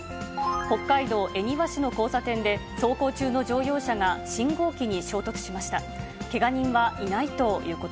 北海道恵庭市の交差点で、走行中の乗用車が信号機に衝突しました。